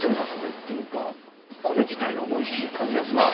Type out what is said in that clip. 米自体がおいしい感じがします。